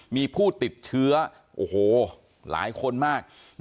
มีผู้ติดเชื้อหลายคนมาก